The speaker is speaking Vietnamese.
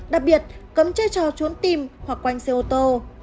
đặc biệt cấm chơi trò trốn tim hoặc quanh xe ô tô